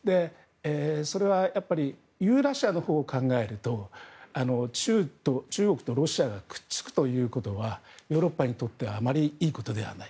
それはやっぱりユーラシアのほうを考えると中国とロシアがくっつくということはヨーロッパにとってはあまりいいことではない。